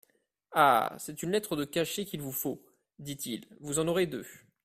Ah ! c'est une lettre de cachet qu'il vous faut ! dit-il, vous en aurez deux.